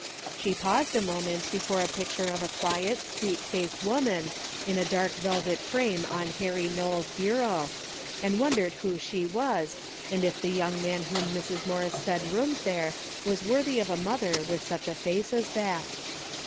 She paused a moment before a picture of a quiet sweet faced woman, in a dark velvet frame on Harry Knowles' bureau, and won dered who she was, and if the young man whom Mrs. Morris said roomed there was worth V of a mother with such a face as that.